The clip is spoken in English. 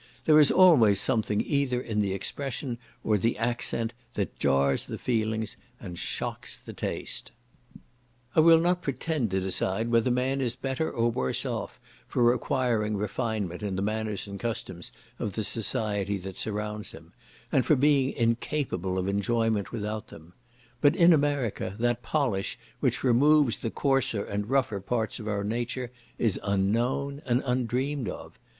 There is always something either in the expression or the accent that jars the feelings and shocks the taste. I will not pretend to decide whether man is better or worse off for requiring refinement in the manners and customs of the society that surrounds him, and for being incapable of enjoyment without them; but in America that polish which removes the coarser and rougher parts of our nature is unknown and undreamed of.